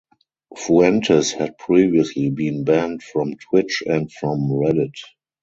Fuentes had previously been banned from Twitch and from Reddit.